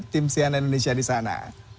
tim sian indonesia disana